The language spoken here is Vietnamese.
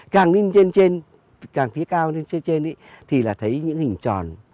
càng lên trên trên càng phía cao lên trên trên thì là thấy những hình tròn